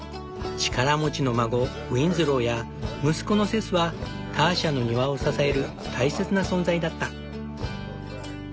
力持ちの孫ウィンズローや息子のセスはターシャの庭を支える大切な存在だった。